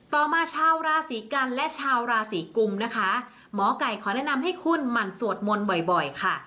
ต่อมาชาวราศีกันและชาวราศีกุมนะคะหมอไก่ขอแนะนำให้คุณหมั่นสวดมนต์บ่อยค่ะ